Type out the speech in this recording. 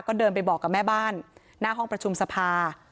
ก็เดินไปบอกกับแม่บ้านหน้าห้องประชุมสภา